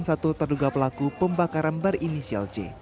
satu terduga pelaku pembakaran berinisial c